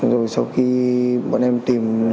rồi sau khi bọn em tìm